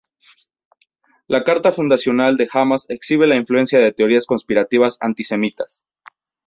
La carta fundacional de Hamás exhibe la influencia de teorías conspirativas antisemitas.